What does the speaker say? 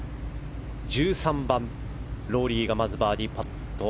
１３番、ロウリーがまずバーディーパット。